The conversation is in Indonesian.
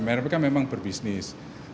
mereka memang berbisnis